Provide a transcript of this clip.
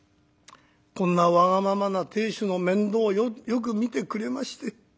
こんなわがままな亭主の面倒をよく見てくれまして。